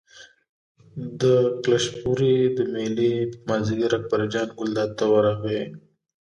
د کلشپورې د مېلې په مازدیګر اکبرجان ګلداد ته ورغی.